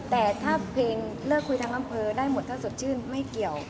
แต่ถ้าเพลงเลิกคุยทั้งอำเภอได้หมดถ้าสดชื่นไม่เกี่ยว